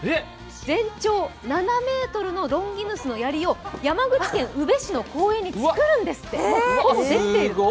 全長７ｍのロンギヌスの槍を山口県宇部市の公園に作るんですって。